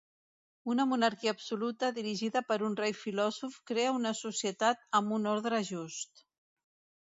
Una monarquia absoluta, dirigida per un rei filòsof, crea una societat amb un ordre just.